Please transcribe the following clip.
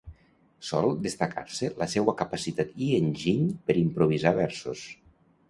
Sol destacar-se la seua capacitat i enginy per improvisar versos.